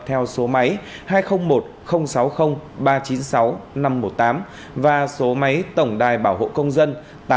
theo số máy hai trăm linh một sáu mươi ba trăm chín mươi sáu năm trăm một mươi tám và số máy tổng đài bảo hộ công dân